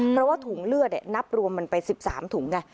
เพราะว่าถุงเลือดเนี้ยนับรวมมันไปสิบสามถุงไง